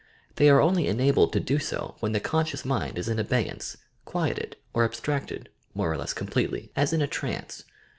They are only enabled to do so when the conscious mind is in abeyance, — quieted, or abstracted, more or leas completely, as in a trance.